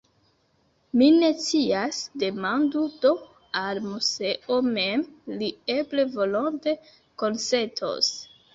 Mi ne scias; demandu do al Moseo mem, li eble volonte konsentos.